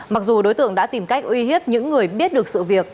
mặc dù đối tượng đã tìm cách uy hiếp những người biết được sự việc